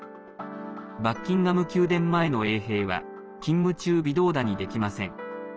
バッキンガム宮殿前の衛兵は勤務中、微動だにできません。